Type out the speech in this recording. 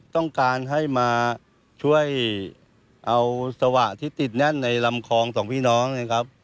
ต้องการให้มาช่วยเอาสวะที่ติดแน่นในลำคลองสองพี่น้องนะครับ